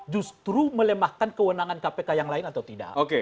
justru melemahkan kewenangan kpk yang lain atau tidak